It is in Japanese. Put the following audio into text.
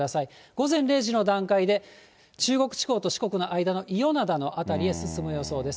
午前０時の段階で、中国地方と四国の間の伊予灘の辺りに進む予想です。